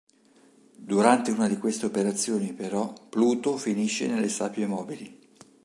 Durante una di queste operazioni, però, Pluto finisce nelle sabbie mobili.